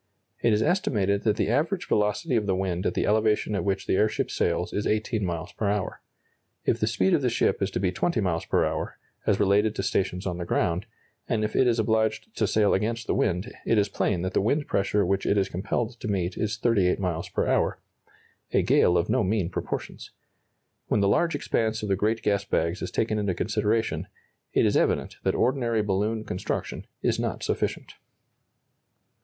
It is estimated that the average velocity of the wind at the elevation at which the airship sails is 18 miles per hour. If the speed of the ship is to be 20 miles per hour, as related to stations on the ground, and if it is obliged to sail against the wind, it is plain that the wind pressure which it is compelled to meet is 38 miles per hour a gale of no mean proportions. When the large expanse of the great gas bags is taken into consideration, it is evident that ordinary balloon construction is not sufficient.